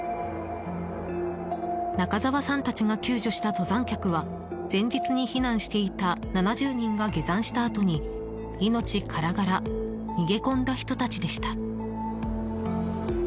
中沢さんたちが救助した登山客は前日に避難していた７０人が下山したあとに、命からがら逃げ込んだ人たちでした。